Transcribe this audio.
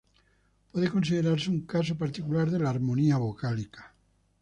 Puede considerarse un caso particular de la armonía vocálica.